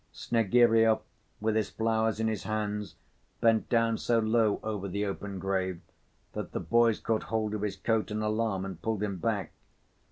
Snegiryov with his flowers in his hands bent down so low over the open grave that the boys caught hold of his coat in alarm and pulled him back.